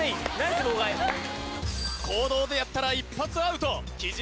公道でやったら一発アウト貴島